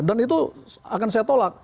dan itu akan saya tolak